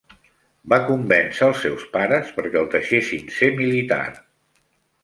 Va convèncer els seus pares perquè el deixessin ser militar.